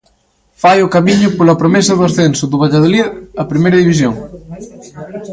Fai o Camiño pola promesa do ascenso do Valladolid a Primeira División.